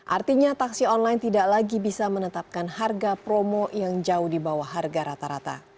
artinya taksi online tidak lagi bisa menetapkan harga promo yang jauh di bawah harga rata rata